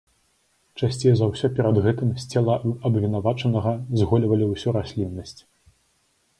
Часцей за ўсё перад гэтым з цела абвінавачанага згольвалі ўсю расліннасць.